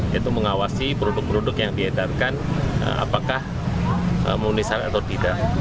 yaitu mengawasi produk produk yang diedarkan apakah munisal atau tidak